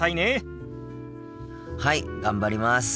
はい頑張ります！